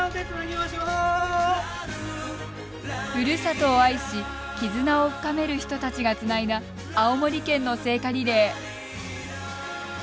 ふるさとを愛し絆を深める人たちがつないだ青森県の聖火リレー。